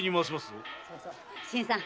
新さん。